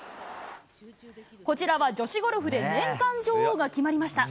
こちらは女子ゴルフで、年間女王が決まりました。